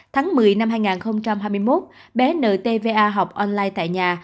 tháng một mươi năm hai nghìn hai mươi một bé nợ tva học online tại nhà